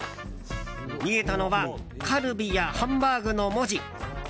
見えたのはカルビやハンバーグの文字。